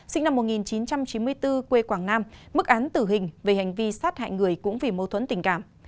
sinh năm một nghìn chín trăm chín mươi bốn quê quảng nam mức án tử hình về hành vi sát hại người cũng vì mâu thuẫn tình cảm